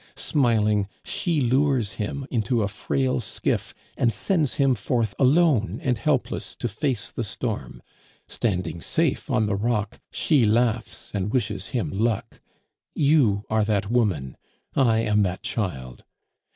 Smiling, she lures him into a frail skiff, and sends him forth alone and helpless to face the storm. Standing safe on the rock, she laughs and wishes him luck. You are that woman; I am that child.